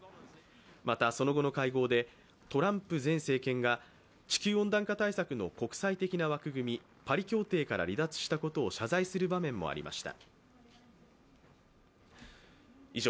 また、その後の会合でトランプ前政権が地球温暖化対策の国際的な枠組みパリ協定から離脱したことを謝罪する場面もありました。